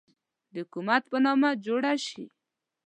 د حکومت په نامه جوړ شي.